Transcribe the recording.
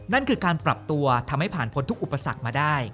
นั่นคือการปรับตัวทำให้ผ่านพ้นทุกอุปสรรคมาได้